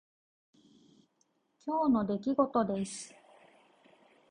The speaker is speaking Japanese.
今日の出来事です。